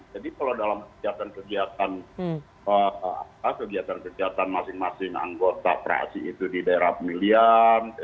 jadi kalau dalam kegiatan kegiatan masing masing anggota praksi itu di daerah pemilihan ya